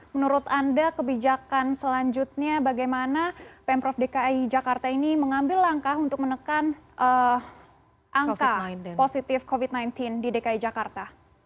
menurut anda kebijakan selanjutnya bagaimana pemprov dki jakarta ini mengambil langkah untuk menekan angka positif covid sembilan belas di dki jakarta